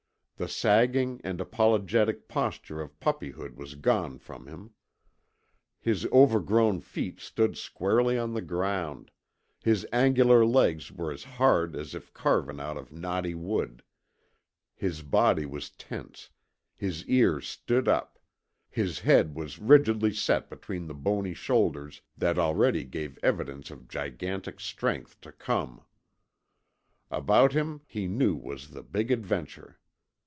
The sagging and apologetic posture of puppyhood was gone from him. His overgrown feet stood squarely on the ground; his angular legs were as hard as if carven out of knotty wood; his body was tense, his ears stood up, his head was rigidly set between the bony shoulders that already gave evidence of gigantic strength to come. About him he knew was the Big Adventure.